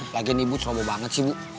lagi ini bu ceroboh banget sih bu